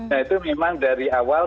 nah itu memang dari awal